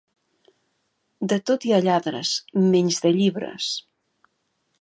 De tot hi ha lladres, menys de llibres.